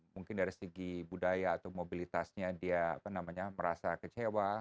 mungkin dari segi budaya atau mobilitasnya dia merasa kecewa